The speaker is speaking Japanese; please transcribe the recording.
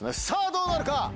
さぁどうなるか？